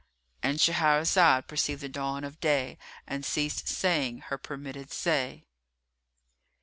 ——And Shahrazad perceived the dawn of day and ceased saying her permitted say.